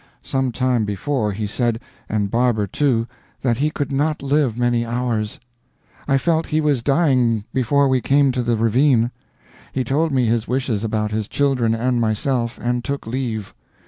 Some time before he said, and Barber, too, that he could not live many hours. I felt he was dying before we came to the ravine. He told me his wishes about his children and myself, and took leave.